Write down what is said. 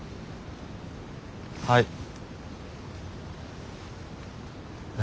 はい。